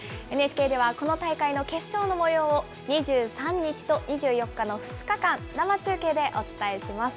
ＮＨＫではこの大会の決勝のもようを、２３日と２４日の２日間、生中継でお伝えします。